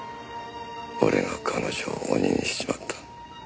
俺が彼女を鬼にしちまった。